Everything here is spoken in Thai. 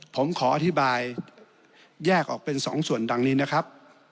ผมขออธิบายแยกออกเป็นสองส่วนดังนี้นะครับ